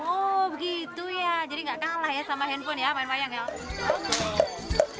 oh begitu ya jadi gak kalah ya sama handphone ya main wayang ya